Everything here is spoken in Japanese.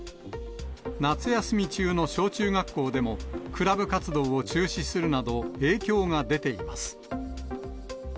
夏休み中の小中学校でも、クラブ活動を中止するなど、影響が出ています。